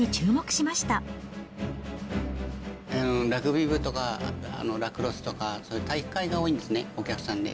ラグビー部とかラクロスとか、そういう体育会が多いんですね、お客さんで。